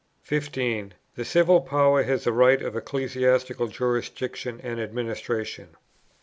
15. The Civil Power has the right of ecclesiastical jurisdiction and administration.